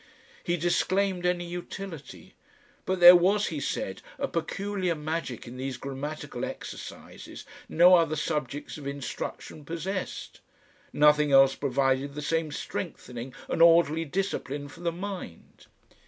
He disclaimed any utility. But there was, he said, a peculiar magic in these grammatical exercises no other subjects of instruction possessed. Nothing else provided the same strengthening and orderly discipline for the mind.